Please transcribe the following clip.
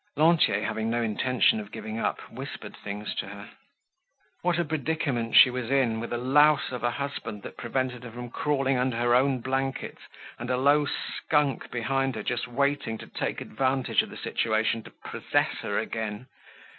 Lantier, having no intention of giving up, whispered things to her. What a predicament she was in, with a louse of a husband that prevented her from crawling under her own blankets and a low skunk behind her just waiting to take advantage of the situation to possess her again.